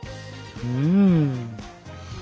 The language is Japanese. うん。